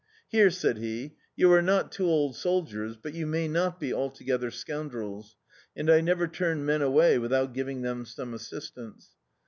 "Here," said he, "you are not two old soldiers, but you may not be altogether scoundrels; and I never turn men away without giv ing them some assistance."